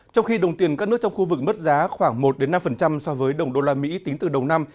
trong khi đồng tiền các nước trong khu vực mất giá khoảng một năm so với đồng đô la mỹ tính từ đầu năm